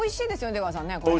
出川さんねこれ。